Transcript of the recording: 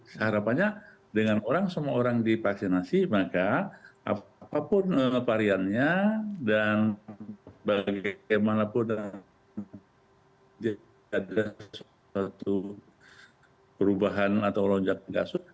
seharapannya dengan orang semua orang divaksinasi maka apapun variannya dan bagaimanapun jadi ada suatu perubahan atau lonjakan kasus